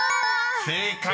［正解］